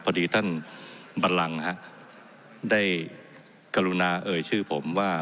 พอดีท่านบันลังได้กรุณาเอ่ยชื่อผมว่า